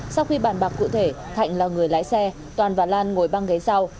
sau khi bàn bạc cụ thể thạnh là người lái xe toàn và lan ngồi băng ghế sau